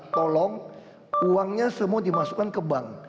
tolong uangnya semua dimasukkan ke bank